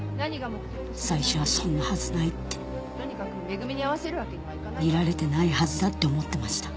最初はそんなはずないって見られてないはずだって思ってました。